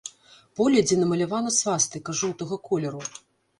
Поле, дзе намалявана свастыка, жоўтага колеру.